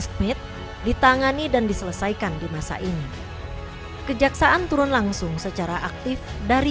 smith ditangani dan diselesaikan di masa ini kejaksaan turun langsung secara aktif dari